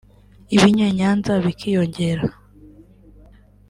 ibinyenyanza bikiyongera